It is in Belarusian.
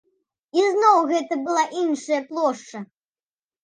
І зноў гэта была іншая плошча.